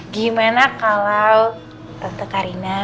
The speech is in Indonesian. gimana kalau tante karina